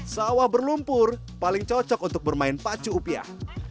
sawah berlumpur paling cocok untuk bermain pacu upiah